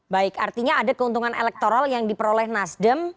baik artinya ada keuntungan elektoral yang diperoleh nasdem